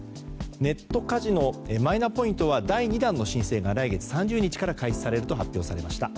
ネットカジノマイナポイントは第２弾の申請が来月３０日から開始されると発表されました。